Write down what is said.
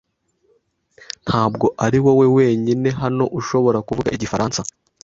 Ntabwo ari wowe wenyine hano ushobora kuvuga igifaransa.